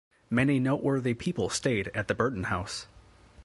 Many noteworthy people stayed at the Burton House.